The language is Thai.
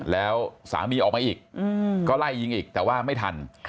แล้วสามีออกมาอีกก็ไล่ยิงอีกแต่ว่าไม่ทัน